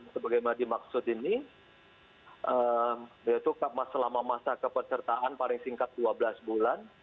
sebagaimana dimaksud ini yaitu selama masa kepesertaan paling singkat dua belas bulan